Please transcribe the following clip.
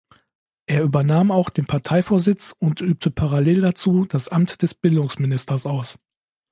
Er übernahm auch den Parteivorsitz und übte parallel dazu das Amt des Bildungsministers aus.